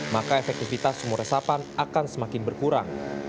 maka efektivitas sumur resapan akan semakin berkurang